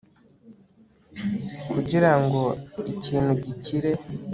kugirango ikintu gikire